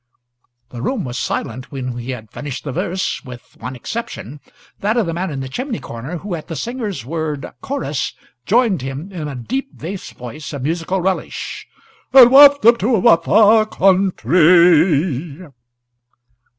The room was silent when he had finished the verse, with one exception, that of the man in the chimney corner, who, at the singer's word, "Chorus!" joined him in a deep bass voice of musical relish: "And waft 'em to a far countree."